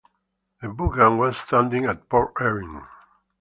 The Buggane was standing at Port Erin.